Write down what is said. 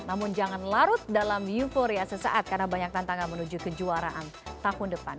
namun jangan larut dalam euforia sesaat karena banyak tantangan menuju kejuaraan tahun depan